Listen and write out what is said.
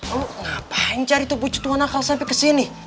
lo ngapain cari tuh bucu tua nakal sampe kesini